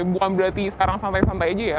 bukan berarti sekarang santai santai aja ya